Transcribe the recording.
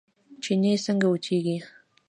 چينې څنګه وچیږي؟